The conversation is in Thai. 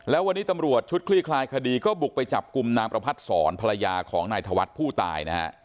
แล้ววันนี้ตำรวจชุดคลี่คลายคดีก็บุกไปจับกลุ่มนางประพัดศรภรรยาของนายธวัฒน์ผู้ตายนะฮะ